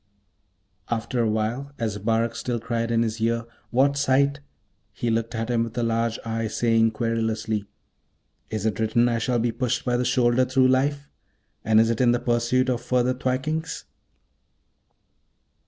After awhile, as Abarak still cried in his ear, 'What sight?' he looked at him with a large eye, saying querulously, 'Is it written I shall be pushed by the shoulder through life? And is it in the pursuit of further thwackings?'